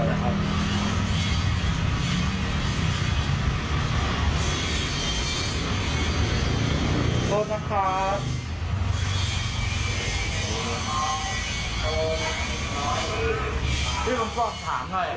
พี่คุณคุณสอบถามหน่อย